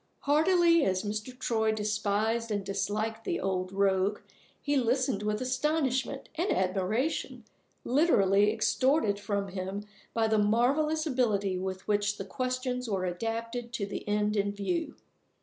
Heartily as Mr. Troy despised and disliked the old rogue, he listened with astonishment and admiration literally extorted from him by the marvelous ability with which the questions were adapted to the end in view.